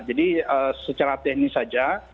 jadi secara teknis saja